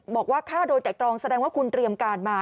บอกว่าฆ่าโดยแต่ตรองแสดงว่าคุณเตรียมการมา